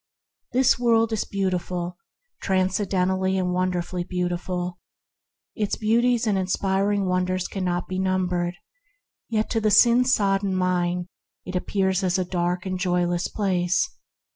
The world is beautiful, transcendently and wonderfully beautiful. Its beauties and inspiring wonders cannot be numbered; yet, to the sin sodden mind, it appears as a dark and joyless place.